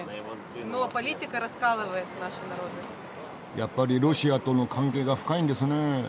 やっぱりロシアとの関係が深いんですねぇ。